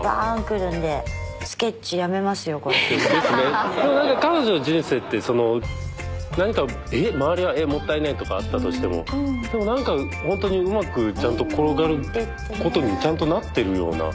でもなんか彼女の人生って何か周りはもったいないとかあったとしてもでもなんかほんとにうまくちゃんと転がることにちゃんとなってるような。